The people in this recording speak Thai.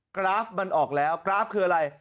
กราฟมันออกแล้วกราฟคืออะไร